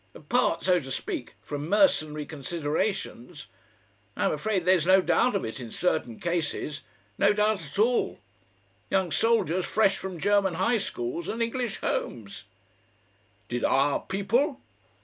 Apart, so to speak, from mercenary considerations. I'm afraid there's no doubt of it in certain cases. No doubt at all. Young soldiers fresh from German high schools and English homes!" "Did OUR people?"